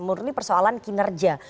murni persoalan kinerja